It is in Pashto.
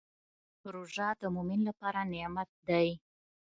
روژه د مؤمن لپاره نعمت دی.